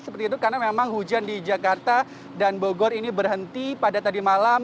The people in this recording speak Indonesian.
seperti itu karena memang hujan di jakarta dan bogor ini berhenti pada tadi malam